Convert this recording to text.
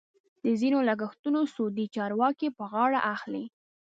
د ځینو لګښتونه سعودي چارواکي په غاړه اخلي.